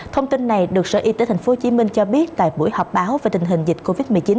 thông tin này được sở y tế tp hcm cho biết tại buổi họp báo về tình hình dịch covid một mươi chín